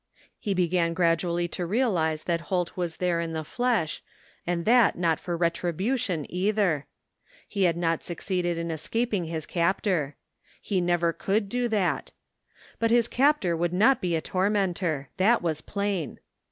He began gradually to realize that Holt was there in the flesh, and that not for retribution either. He had not succeeded in escap ing his captor. He never could do that. But his captor would not be a tormentor. That was plain.